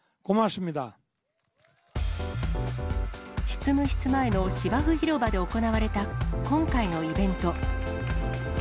執務室前の芝生広場で行われた、今回のイベント。